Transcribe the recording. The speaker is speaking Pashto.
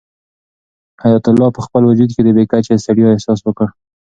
حیات الله په خپل وجود کې د بې کچې ستړیا احساس وکړ.